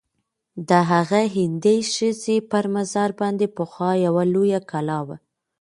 د هغه هندۍ ښځي پر مزار باندي پخوا یوه لویه کلا وه.